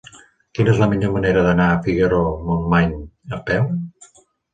Quina és la millor manera d'anar a Figaró-Montmany a peu?